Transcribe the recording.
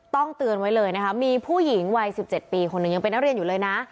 เตือนไว้เลยนะคะมีผู้หญิงวัย๑๗ปีคนหนึ่งยังเป็นนักเรียนอยู่เลยนะ